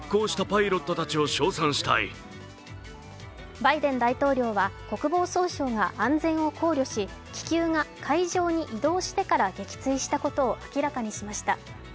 バイデン大統領は、国防総省が安全を考慮し、気球が海上に移動してから撃墜したことを明らかにしました。